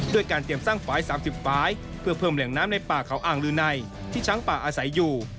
การเตรียมสร้างฝ่าย๓๐ฝายเพื่อเพิ่มแหล่งน้ำในป่าเขาอ่างลือในที่ช้างป่าอาศัยอยู่